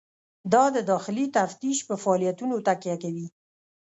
دا د داخلي تفتیش په فعالیتونو تکیه کوي.